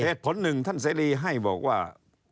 เหตุผลหนึ่งท่านเสรีให้บอกว่า